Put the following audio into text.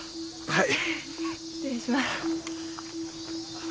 はい。